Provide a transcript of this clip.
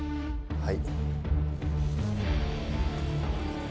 はい！